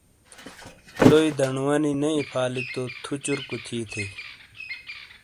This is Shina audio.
لوئی دنڈوں وانی نے ایفالی تو تھو چورکو تھی تھئیی۔